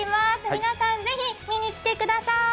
皆さん、ぜひ見に来てください。